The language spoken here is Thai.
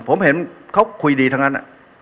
ผมเห็นเขาคุยดีทั้งนั้น